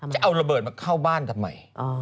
จะเอาระเบิดมาเข้าบ้านทำไม